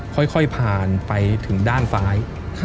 ค่อยผ่านไปถึงด้านซ้าย